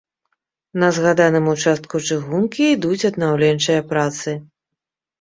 На згаданым участку чыгункі ідуць аднаўленчыя працы.